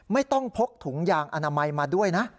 ไม่ต้องพกถุงยางอนามัยมาด้วยนะ